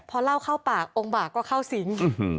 พอเล่าเข้าปากองค์บากก็เข้าสิง